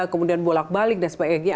kemudian bolak balik dan sebagainya